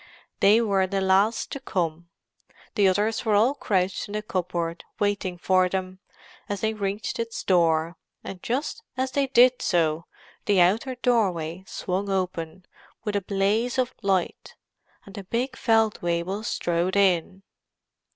They were the last to come. The others were all crouched in the cupboard, waiting for them, as they reached its door; and just as they did so, the outer doorway swung open, with a blaze of light, and the big Feldwebel strode in.